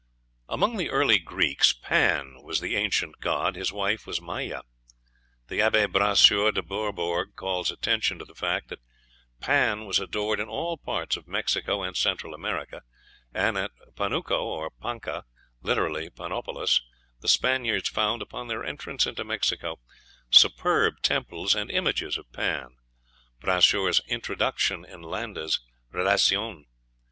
Among the early Greeks Pan was the ancient god; his wife was Maia. The Abbé Brasseur de Bourbourg calls attention to the fact that Pan was adored in all parts of Mexico and Central America; and at Panuco, or Panca, literally Panopolis, the Spaniards found, upon their entrance into Mexico, superb temples and images of Pan. (Brasseur's Introduction in Landa's "Relacion.")